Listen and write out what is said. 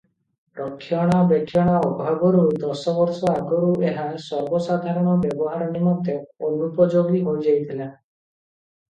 ରକ୍ଷଣାବେକ୍ଷଣା ଅଭାବରୁ ଦଶ ବର୍ଷ ଆଗରୁ ଏହା ସର୍ବସାଧାରଣ ବ୍ୟବହାର ନିମନ୍ତେ ଅନୁପଯୋଗୀ ହୋଇଯାଇଥିଲା ।